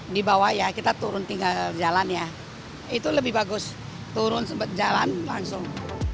dibawah ya kita turun tinggal jalan ya itu lebih bagus turun sempet jalan langsung